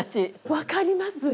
分かります！